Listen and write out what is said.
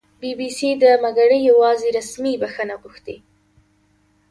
بي بي سي دمګړۍ یواځې رسمي بښنه غوښتې